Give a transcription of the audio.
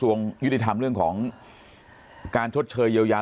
ว่ามีกระทรวงยุธรรมเรื่องของการทดเชยเยียวยา